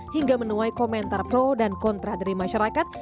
hingga menuai komentar pro dan kontra dari masyarakat